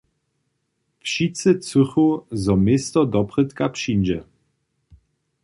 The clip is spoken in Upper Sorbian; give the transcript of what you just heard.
Wšitcy chcychu, zo město doprědka přińdźe.